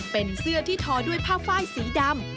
เป็นเสื้อที่ทอด้วยผ้าไฟล์สีดำ